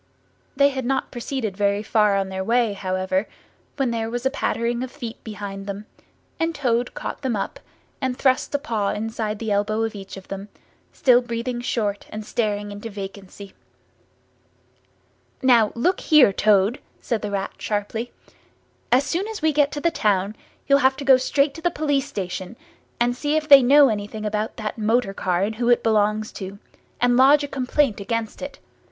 They had not proceeded very far on their way, however, when there was a pattering of feet behind them, and Toad caught them up and thrust a paw inside the elbow of each of them; still breathing short and staring into vacancy. "Now, look here, Toad!" said the Rat sharply: "as soon as we get to the town, you'll have to go straight to the police station, and see if they know anything about that motor car and who it belongs to, and lodge a complaint against it.